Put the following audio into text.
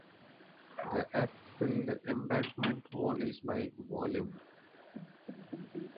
The earth-filled embankment wall is by volume.